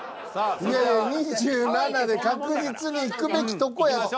いやいや２７で確実にいくべきとこやって。